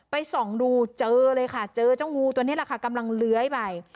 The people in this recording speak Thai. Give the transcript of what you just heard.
ส่องดูเจอเลยค่ะเจอเจ้างูตัวนี้แหละค่ะกำลังเลื้อยไป